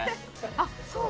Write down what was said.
あっそうだ。